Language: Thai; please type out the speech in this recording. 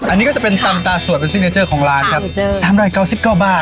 อันนี้ก็จะเป็นทำตาสวดเป็นซิกเนเจอร์ของร้านครับสามด้วยเก้าสิบเก้าบาท